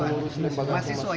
pengurus lembaga kemah siswa